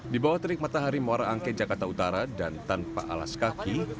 di bawah terik matahari muara angke jakarta utara dan tanpa alas kaki